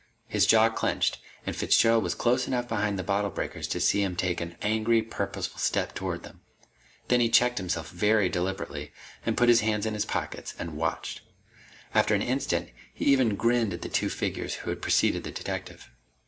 His jaw clenched, and Fitzgerald was close enough behind the bottle breakers to see him take an angry, purposeful step toward them. Then he checked himself very deliberately, and put his hands in his pockets, and watched. After an instant he even grinned at the two figures who had preceded the detective.